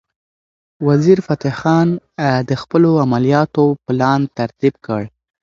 وزیرفتح خان د خپلو عملیاتو پلان ترتیب کړ.